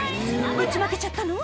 ぶちまけちゃったの？